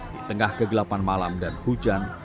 di tengah kegelapan malam dan hujan